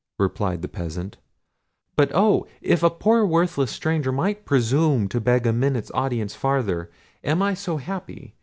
replied the peasant; "but oh! if a poor and worthless stranger might presume to beg a minute's audience farther; am I so happy?